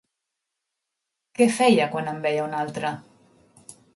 Què feia quan en veia un altre?